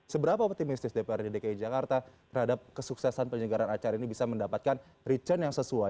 seberapa optimistis dprd dki jakarta terhadap kesuksesan penyelenggaran acara ini bisa mendapatkan return yang sesuai